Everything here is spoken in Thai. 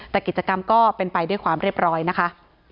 แต่กิจกรรมก็เป็นไปด้วยความเรียบร้อยนะคะ